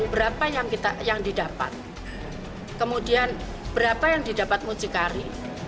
berapa yang didapat kemudian berapa yang didapat mucikari